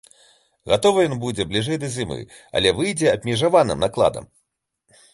Гатовы ён будзе бліжэй да зімы, але выйдзе абмежаваным накладам.